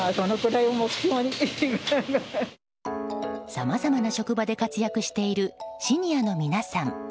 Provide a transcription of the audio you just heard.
さまざまな職場で活躍しているシニアの皆さん。